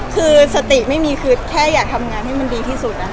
คือสติไม่มีคือแค่อยากทำงานให้มันดีที่สุดนะคะ